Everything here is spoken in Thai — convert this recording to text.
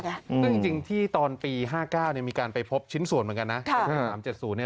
ซึ่งจริงที่ตอนปี๕๙มีการไปพบชิ้นส่วนเหมือนกันนะ